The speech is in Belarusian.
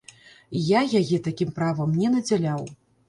Я яе такім правам не надзяляў.